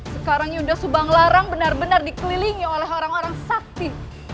sekarang yunda subanglarang benar benar dikelilingi oleh orang orang sakti